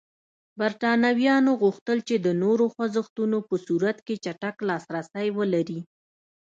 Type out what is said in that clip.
برېټانویانو غوښتل چې د نورو خوځښتونو په صورت کې چټک لاسرسی ولري.